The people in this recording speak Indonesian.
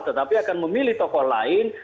tetapi akan memilih tokoh lain